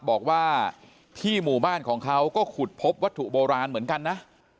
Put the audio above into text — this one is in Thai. บอกว่าที่หมู่บ้านของเขาก็ขุดพบวัตถุโบราณเหมือนกันนะ